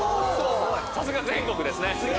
さすが全国ですね！